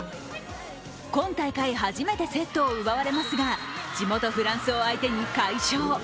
今大会初めてセットを奪われますが地元フランスを相手に快勝。